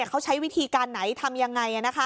เขาใช้วิธีการไหนทำยังไง